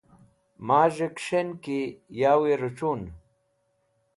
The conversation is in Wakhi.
Maz̃hẽ kẽs̃hen ki yawi rochun.